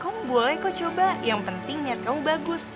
kok boleh kok coba yang penting niat kamu bagus